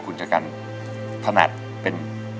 คุณจะกลับก็ได้อย่างนั้นสักครู่